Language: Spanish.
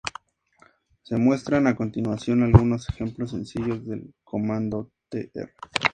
Se muestran a continuación algunos ejemplos sencillos del comando tr.